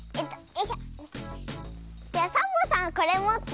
じゃあサボさんこれもって。